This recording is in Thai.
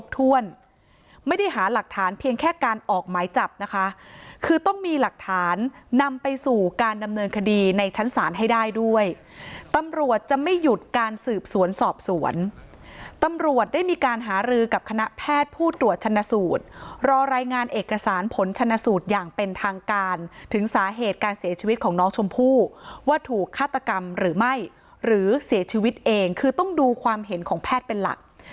ถ้วนไม่ได้หาหลักฐานเพียงแค่การออกหมายจับนะคะคือต้องมีหลักฐานนำไปสู่การดำเนินคดีในชั้นศาลให้ได้ด้วยตำรวจจะไม่หยุดการสืบสวนสอบสวนตำรวจได้มีการหารือกับคณะแพทย์ผู้ตรวจชนสูตรรอรายงานเอกสารผลชนสูตรอย่างเป็นทางการถึงสาเหตุการเสียชีวิตของน้องชมพู่ว่าถูกฆาตกรรมหรือไม่หร